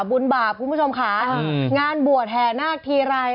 บุญบาปคุณผู้ชมค่ะงานบวชแห่นาคทีไร